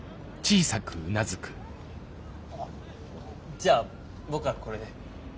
じゃあ僕はこれで。